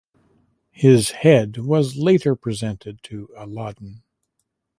His head was later presented to Alauddin.